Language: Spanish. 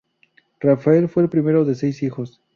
Rafael fue el primero de seis hijos.